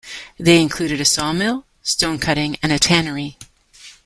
They included a saw mill, stone-cutting and a tannery.